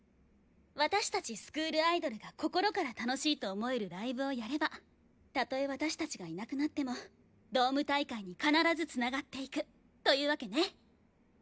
私たちスクールアイドルが心から楽しいと思えるライブをやればたとえ私たちがいなくなってもドーム大会に必ずつながっていくというわけね。